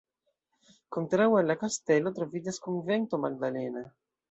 Kontraŭe al la kastelo troviĝas Konvento magdalena.